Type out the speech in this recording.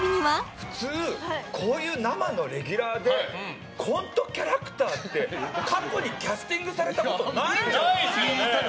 普通こういう生のレギュラーでコントキャラクターって過去にキャスティングされたことないんじゃない？